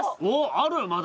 あるまだ？